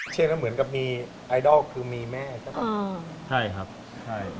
เช่นเหมือนกับมีไอดอลคือมีแม่ใช่ไหม